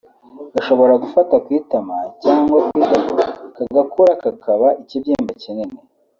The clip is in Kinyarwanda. gashobora gufata ku itama cyangwa ku itako kagakura kakaba ikibyimba kinini